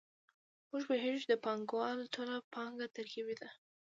موږ پوهېږو چې د پانګوال ټوله پانګه ترکیبي ده